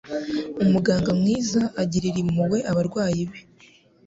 Umuganga mwiza agirira impuhwe abarwayi be